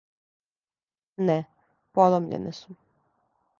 Не, поломљене су.